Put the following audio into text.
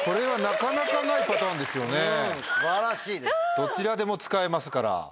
どちらでも使えますから。